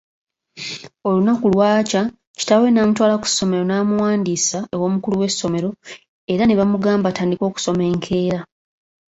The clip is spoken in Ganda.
Olunaku lwakya kitaawe namutwala ku ssomero namuwandiisa ew’omukulu w’essomero era ne bamugamba atandike okusoma enkeera.